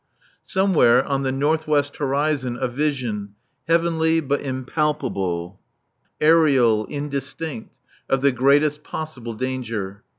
Somewhere, on the north west horizon, a vision, heavenly, but impalpable, aerial, indistinct, of the Greatest Possible Danger.